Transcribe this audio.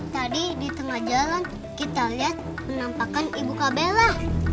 tadi di tengah jalan kita lihat penampakan ibu kak bella